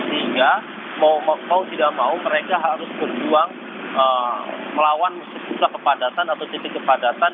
sehingga mau tidak mau mereka harus berjuang melawan sejumlah kepadatan atau titik kepadatan